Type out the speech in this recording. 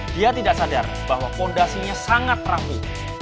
dia tidak sadar bahwa fondasinya sangat rambu